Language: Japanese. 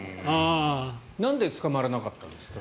なんで捕まらなかったんですか？